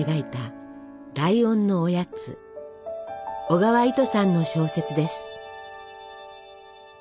小川糸さんの小説です。